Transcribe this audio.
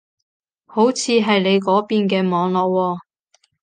好似係你嗰邊嘅網絡喎